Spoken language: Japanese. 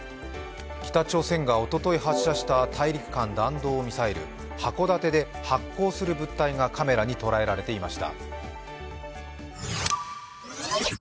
北朝鮮がおととい発射した大陸間弾道ミサイル、函館で発光する物体がカメラにとらえられていました。